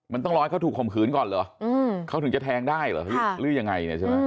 มันต้องร้อยเขาถูกคมขืนก่อนเหรอเขาถึงจะแทงได้หรือยังไง